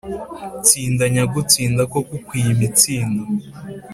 tsinda nyagutsinda, koko ukwiye imitsindo».